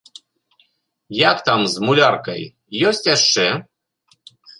Як там з муляркай, ёсць яшчэ?